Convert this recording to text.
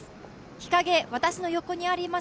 日陰、私の横にあります